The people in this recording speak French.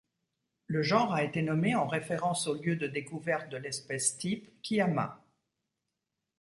Le genre a été nommé en référence au lieu de découverte de l'espèce-type, Kiama.